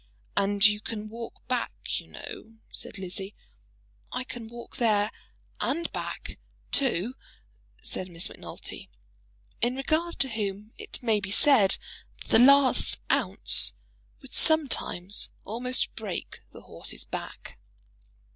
"And you can walk back, you know," said Lizzie. "I can walk there and back too," said Miss Macnulty, in regard to whom it may be said that the last ounce would sometimes almost break the horse's back.